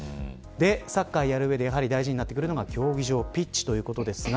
サッカーをやる上で大事になってくるのは競技場、ピッチということです。